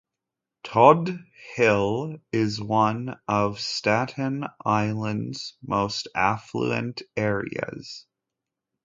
Todt Hill is one of Staten Island's most affluent areas.